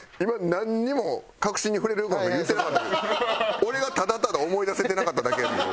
俺がただただ思い出せてなかっただけやねんけど。